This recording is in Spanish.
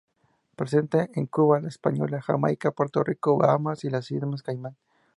Presente en Cuba, La Española, Jamaica, Puerto Rico, Bahamas y las Islas Caimán.